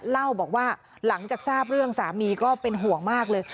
เล่าบอกว่าหลังจากทราบเรื่องสามีก็เป็นห่วงมากเลย